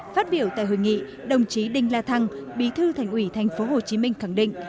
phát biểu tại hội nghị đồng chí đinh la thăng bí thư thành ủy tp hcm khẳng định